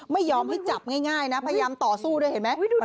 ไม่ยอมให้จับง่ายนะพยายามต่อสู้ด้วยเห็นไหม